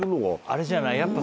あれじゃない？